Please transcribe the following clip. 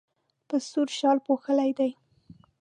په سور شال پوښلی دی.